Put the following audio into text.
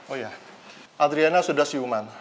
oh ya adriana sudah siuman